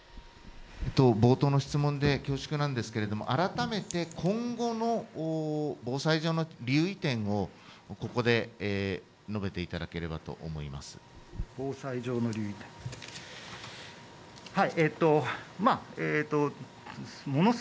冒頭の質問で恐縮なんですが、改めて今後の防災上の留意点をここで述べていただければと思います。